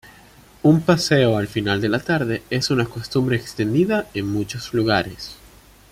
Un "paseo" al final de la tarde es una costumbre extendida en muchos lugares.